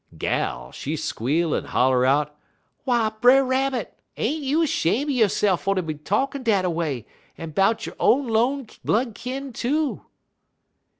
"Gal, she squeal en holler out: "'W'y, Brer Rabbit! ain't you 'shame' yo'se'f fer ter be talkin' dat a way, en 'bout yo' own 'lone blood kin too?'